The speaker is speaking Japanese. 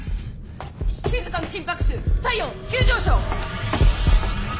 しずかの心拍数体温急上昇！